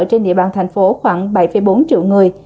trên địa bàn tp khoảng bảy bốn triệu người